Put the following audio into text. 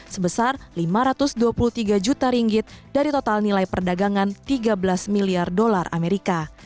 sebesar lima ratus dua puluh tiga juta ringgit dari total nilai perdagangan tiga belas miliar dolar amerika